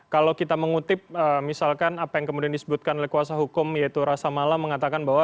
kalau kita mengutip misalkan apa yang kemudian disebutkan oleh kuasa hukum yaitu rasa mala mengatakan bahwa